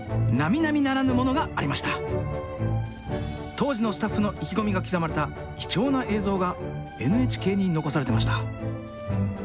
当時のスタッフの意気込みが刻まれた貴重な映像がＮＨＫに残されていました。